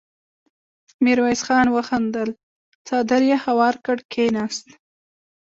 ميرويس خان وخندل، څادر يې هوار کړ، کېناست.